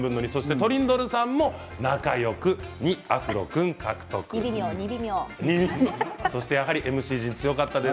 トリンドルさんも仲よく２アフロ君獲得です。